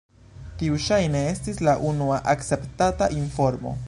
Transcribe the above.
Tiu ŝajne estis la unua akceptata informo.